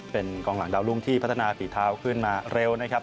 เป็นกองหลังดาวรุ่งที่พัฒนาฝีเท้าขึ้นมาเร็วนะครับ